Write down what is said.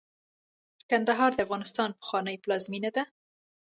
کندهار د افغانستان پخوانۍ پلازمېنه ده.